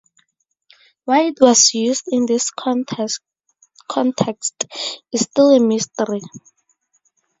Why it was used in this context is still a mystery.